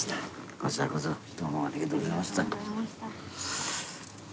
こちらこそどうもありがとうございました。